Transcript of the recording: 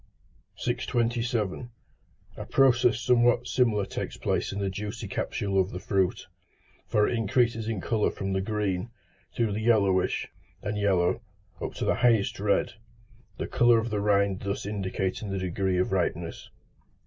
627. A process somewhat similar takes place in the juicy capsule of the fruit, for it increases in colour from the green, through the yellowish and yellow, up to the highest red, the colour of the rind thus indicating the degree of ripeness.